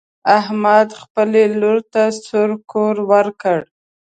احمد خپلې لور ته سور کور ورکړ.